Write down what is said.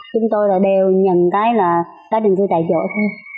chúng tôi đều nhận cái là tái định cư tại chỗ thôi